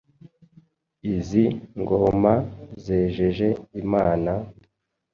Izi ngoma “zejeje imana”,